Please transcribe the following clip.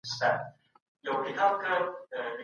د فاتحې په مراسمو کي د کندهار خلګ څه مرسته کوي؟